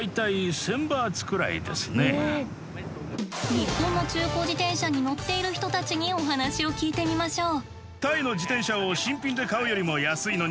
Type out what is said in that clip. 日本の中古自転車に乗っている人たちにお話を聞いてみましょう。